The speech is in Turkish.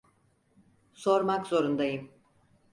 Sormak zorundayım.